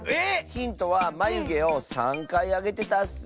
⁉ヒントはまゆげを３かいあげてたッス。